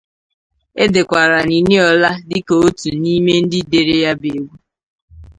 Edekwara Niniola dị ka otu n’ime ndị dere ya be egwu.